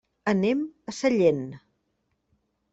Anem a Sallent.